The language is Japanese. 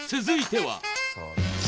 続いては。